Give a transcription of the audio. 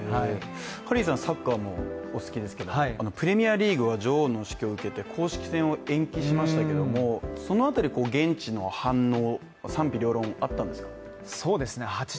ハリーさん、サッカーもお好きですけど、プレミアムリーグは女王の死去を受けて公式戦を延期しましたけれども現地の反応賛否両論あったんですか。